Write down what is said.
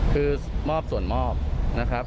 คือมอบส่วนมอบนะครับ